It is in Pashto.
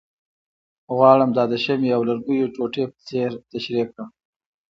غواړم دا د شمعې او لرګیو ټوټې په څېر تشریح کړم،